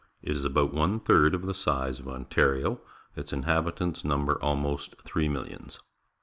It is about one third of the size of Ontario. Its inhabitants number almost three millions.